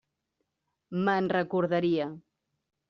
Me'n recordaria.